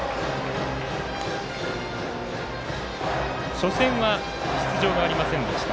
初戦は出場がありませんでした。